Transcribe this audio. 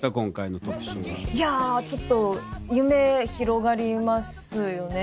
いやちょっと夢広がりますよね。